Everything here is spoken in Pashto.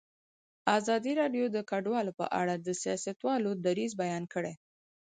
ازادي راډیو د کډوال په اړه د سیاستوالو دریځ بیان کړی.